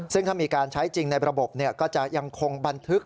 ซึ่งถ้ามีการใช้จริงในระบบก็จะยังคงบันทึก